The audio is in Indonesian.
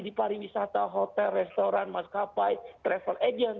di pariwisata hotel restoran maskapai travel agent